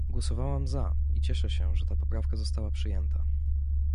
Głosowałam za i cieszę się, że ta poprawka została przyjęta